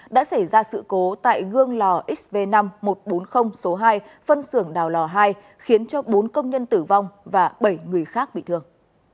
đã xảy ra sự cố tại gương lò xv năm một trăm bốn mươi số hai phân xưởng đào lò hai khiến cho bốn công nhân tử vong và bảy người khác bị thương